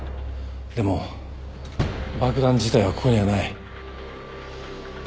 でも爆弾自体はここにはない。